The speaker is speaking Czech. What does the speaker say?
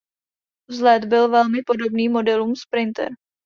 Vzhled byl velmi podobný modelům Sprinter.